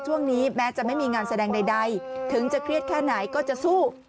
แม้จะไม่มีงานแสดงใดถึงจะเครียดแค่ไหนก็จะสู้